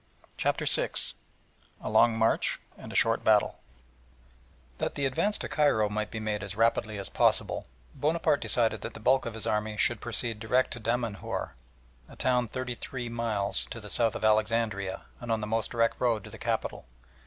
CHAPTER VI A LONG MARCH AND A SHORT BATTLE That the advance to Cairo might be made as rapidly as possible, Bonaparte decided that the bulk of his army should proceed direct to Damanhour, a town thirty three miles to the south of Alexandria, and on the most direct road to the capital.